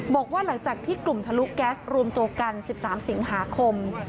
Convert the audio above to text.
บอกว่าหลังจากที่กลุ่มทะลุแก๊สรวมตัวกัน๑๓สิงหาคม